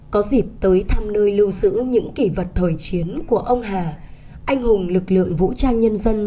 có dịp tới thăm nơi lưu sử những kỷ vật thời chiến của ông hà anh hùng lực lượng vũ trang nhân dân